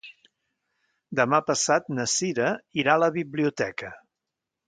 Demà passat na Cira irà a la biblioteca.